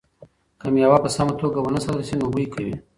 که مېوه په سمه توګه ونه ساتل شي نو بوی کوي.